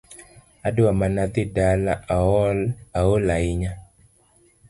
Adwa mana dhii dala aol ahinya